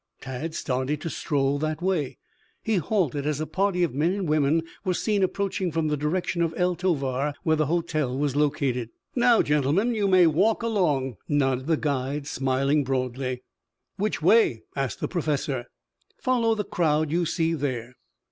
Tad started to stroll that way. He halted as a party of men and women were seen approaching from the direction of El Tovar, where the hotel was located. "Now, gentlemen, you may walk along," nodded the guide, smiling broadly. "Which way?" asked the Professor. "Follow the crowd you see there."